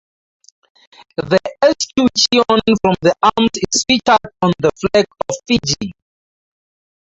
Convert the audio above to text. The escutcheon from the arms is featured on the flag of Fiji.